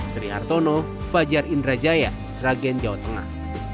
sri hartono fajar indrajaya sragen jawa tengah